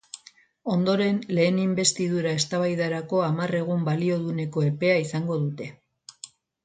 Ondoren, lehen inbestidura eztabaidarako hamar egun balioduneko epea izango dute.